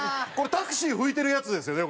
タクシー拭いてるやつですよね？